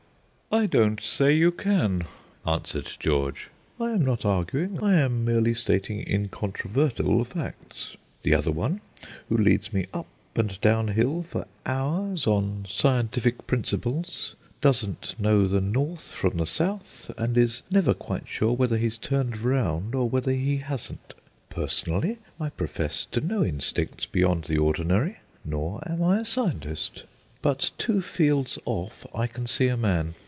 "I don't say you can," answered George. "I am not arguing; I am merely stating incontrovertible facts. The other one, who leads me up and down hill for hours on scientific principles, doesn't know the north from the south, and is never quite sure whether he's turned round or whether he hasn't. Personally, I profess to no instincts beyond the ordinary, nor am I a scientist. But two fields off I can see a man.